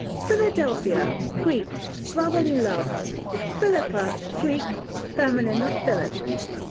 Philadelphia, Greek, brotherly love. Philippa, Greek, feminine of Philip.